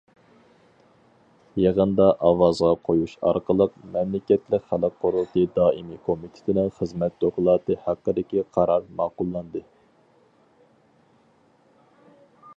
يىغىندا ئاۋازغا قويۇش ئارقىلىق، مەملىكەتلىك خەلق قۇرۇلتىيى دائىمىي كومىتېتىنىڭ خىزمەت دوكلاتى ھەققىدىكى قارار ماقۇللاندى.